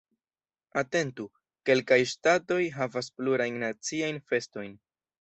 Atentu: Kelkaj ŝtatoj havas plurajn naciajn festojn.